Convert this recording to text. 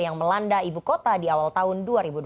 yang melanda ibu kota di awal tahun dua ribu dua puluh